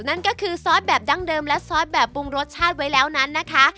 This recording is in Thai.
นั่นก็คือซอสแบบดั้งเดิมและซอสแบบปรุงรสชาติไว้แล้วนั้นนะคะ